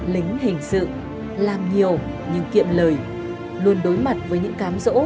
lính hình sự làm nhiều nhưng kiệm lời luôn đối mặt với những cám dỗ cạm bẫy